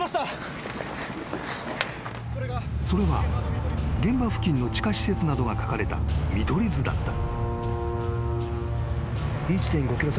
［それは現場付近の地下施設などが描かれた見取り図だった］